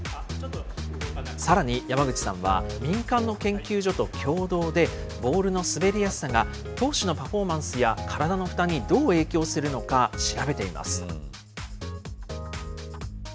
さらに、山口さんは、民間の研究所と共同で、ボールの滑りやすさが、投手のパフォーマンスや、体の負担にどう影響するのか調べています。